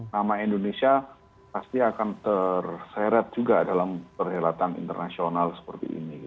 nama indonesia pasti akan terseret juga dalam perhelatan internasional seperti ini